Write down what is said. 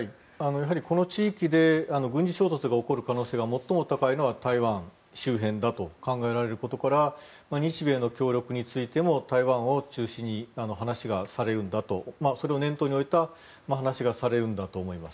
この地域で軍事衝突が起きる可能性が最も高いのは台湾周辺だと考えられることから日米の協力についても台湾を中心に話がされるんだとそれを念頭に置いた話がされるんだと思います。